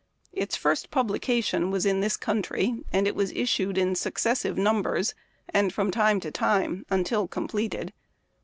Its first publication was in this coun try ; and it was issued in successive numbers, and from time to time, until completed.